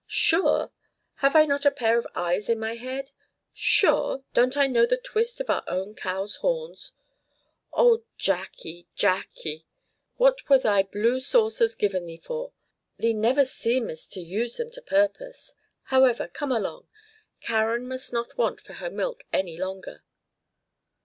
"Sure? Have I not a pair of eyes in my head? Sure? Don't I know the twist of our own cow's horns? Oh, Jacque, Jacque, what were thy blue saucers given thee for? Thee never seemest to use them to purpose. However, come along. Karen must not want for her milk any longer.